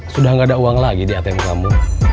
sudah nggak ada uang lagi di atm kamu